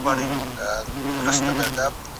حساب کتاب به په سمه توګه ترسره کېږي.